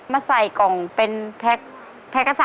ไปใส่กล่องเป็นแพ็ก